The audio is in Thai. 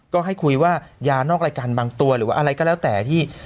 ก็ให้คุยว่ายานอกรายการบางตัวหรือว่าอะไรก็แล้วแต่ที่